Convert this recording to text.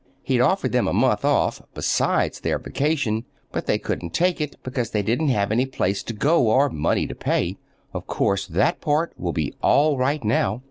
He'd offered them a month off, besides their vacation, but they couldn't take it, because they didn't have any place to go or money to pay. Of course, that part will be all right now.